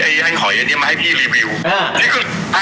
ส่งไอ้ไอ้ขอยัดนี้มาให้พี่รีวิวอ่า